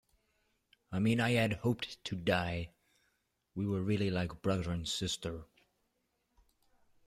I mean I had hoped to die... we really were like brother and sister.